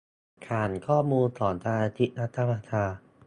ฐานข้อมูลของสมาชิกรัฐสภา